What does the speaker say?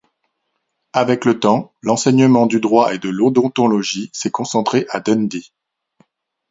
Avec le temps, l'enseignement du droit et de l'odontologie s'est concentré à Dundee.